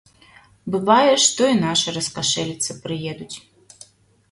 Бывае, што і нашы раскашэліцца прыедуць.